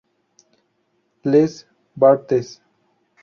Les Barthes